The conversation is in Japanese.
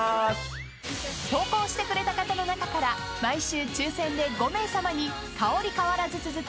［投稿してくれた方の中から毎週抽選で５名さまに香り変わらず続く